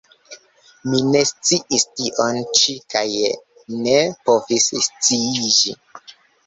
Mi ne sciis tion ĉi kaj ne povis sciiĝi.